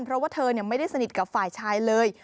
เพราะว่าเธอไม่ได้สนิทกับฝ่ายชายเลย